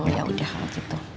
ya udah gitu